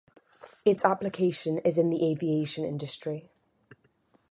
Its application is in the aviation industry